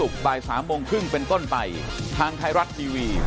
เขาก็เลยยอมปล่อยมาอย่างนี้ใช่ไหม